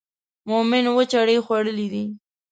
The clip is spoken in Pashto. مومن اووه چړې خوړلې دي.